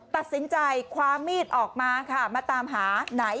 ตัดสินใจคว้ามีดออกมาค่ะมาตามหาไหน